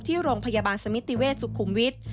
ที่โรงพยาบาลสมิติเวชสุขุมวิทย์